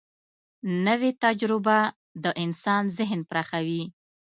نوې تجربه د انسان ذهن پراخوي